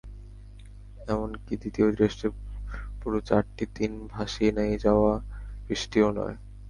এমনকি দ্বিতীয় টেস্টের পুরো চারটি দিন ভাসিয়ে নিয়ে যাওয়া বৃষ্টিও নয়।